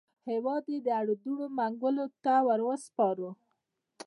هېواد یې د اړدوړ منګولو ته وروسپاره.